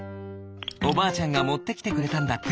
おばあちゃんがもってきてくれたんだって。